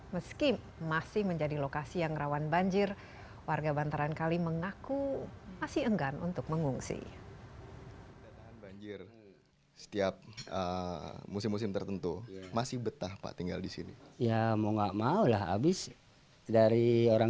meski masih menjadi lokasi yang rawan banjir warga bantaran kali mengaku masih enggan untuk mengungsi